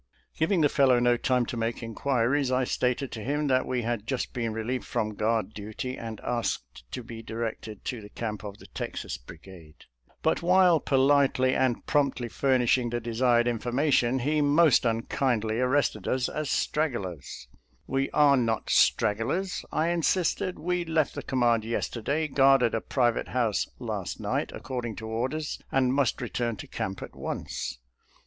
Giv ing the fellow no time to make inquiries, I stated to him that we had just been relieved from guard duty, and asked to be directed to the camp of the Texas Brigade. But while politely and 184 THE POWER OP THE FIDDLE AND THE BOW 185 promptly furnishing the desired information, he most unkindly arrested us as stragglers. " We are not stragglers," I insisted. " We left the command yesterday, guarded a private house last night according to orders, and must return to camp at once."